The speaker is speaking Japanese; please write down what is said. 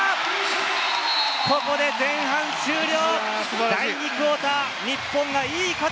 ここで前半終了！